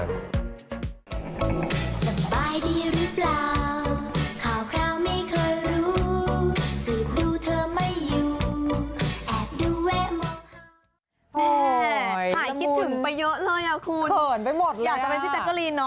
หายคิดถึงไปเยอะเลยอ่ะคุณอยากจะเป็นพี่จักรีนเนอะค่ะละมุนเขินไปหมดแล้ว